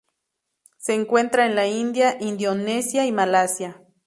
Se encuentra en la India, Indonesia y Malasia.